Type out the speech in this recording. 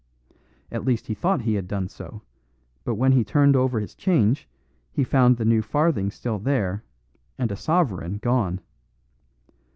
At least he thought he had done so, but when he turned over his change he found the new farthing still there and a sovereign gone.